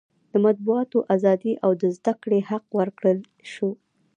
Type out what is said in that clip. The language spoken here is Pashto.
د مطبوعاتو ازادي او د زده کړې حق ورکړل شو.